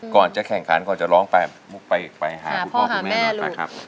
ก่อนจะแข่งขันก่อนจะร้องไปมุกไปหาคุณพ่อคุณแม่หน่อยไปครับ